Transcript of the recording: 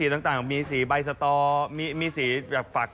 มีสีต่างมีสีใบสตอมีสีแบบฝักสตอ